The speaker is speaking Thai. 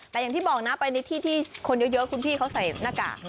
แต่อย่างที่บอกนะไปในที่ที่คนเยอะคุณพี่เขาใส่หน้ากากนะ